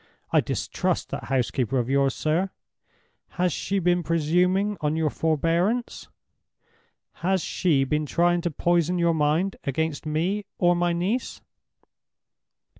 I distrust that housekeeper of yours, sir! Has she been presuming on your forbearance? Has she been trying to poison your mind against me or my niece?"